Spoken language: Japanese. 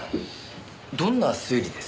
どんな推理です？